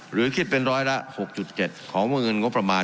หรือคิดเป็นร้อยละ๖๗ของวงเงินงบประมาณ